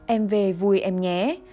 em về vui em nhé